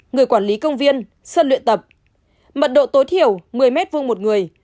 người quản lý công viên sân luyện tập mật độ tối thiểu một mươi m hai một người